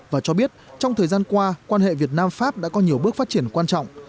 và cho biết trong thời gian qua quan hệ việt nam pháp đã có nhiều bước phát triển quan trọng